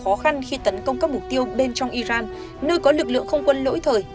khó khăn khi tấn công các mục tiêu bên trong iran nơi có lực lượng không quân lỗi thời